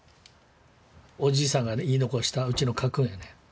おじいさんが言い残したうちの家訓やね。